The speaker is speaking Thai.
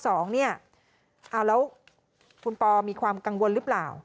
แล้วคุณปอมีความกังวลหรือเปล่า